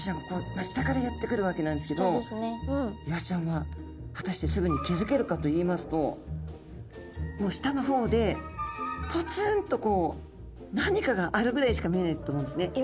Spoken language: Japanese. ここ下からやって来るわけなんですけどイワシちゃんは果たしてすぐに気付けるかといいますともう下の方でぽつんとこう何かがあるぐらいしか見えないと思うんですね。